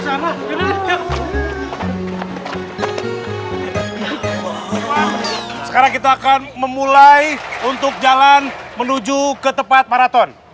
sekarang kita akan memulai untuk jalan menuju ke tempat maraton